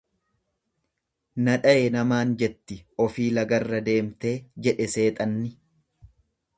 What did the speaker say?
Na dhaye namaan jetti ofii lagarra deemtee jedhe seexanni.